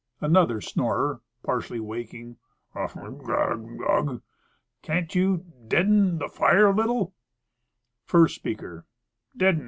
Another Snorer (partially waking). " N r r r m, gu r r r, ugh. Can't you deaden fire a little?" First Speaker. " Deaden h